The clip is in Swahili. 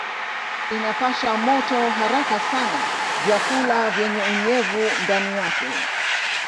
Inapasha moto haraka sana vyakula vyenye unyevu ndani yake.